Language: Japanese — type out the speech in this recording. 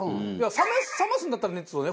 冷ますんだったら熱をね